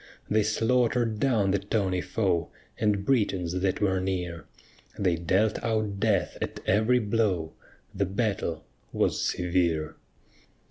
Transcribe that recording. They slaughter'd down the tawny foe, And Britons that were near; They dealt out death at every blow, The battle was severe.